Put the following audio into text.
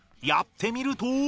やってみると。